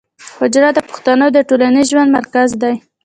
حجره د پښتنو د ټولنیز ژوند مرکز دی.